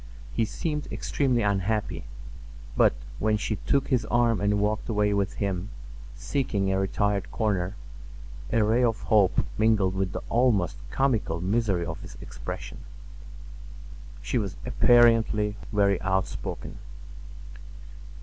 He seemed extremely unhappy; but when she took his arm and walked away with him, seeking a retired corner, a ray of hope mingled with the almost comical misery of his expression. She was apparently very outspoken.